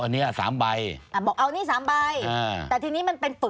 แต่ทีนี้มันเป็นปึกใช่ไหม